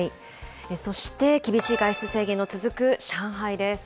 そして、厳しい外出制限の続く上海です。